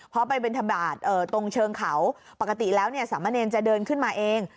เพราะไปบินทบาทตรงเชิงเขาปกติแล้วเนี่ยสามเณรจะเดินขึ้นมาเอง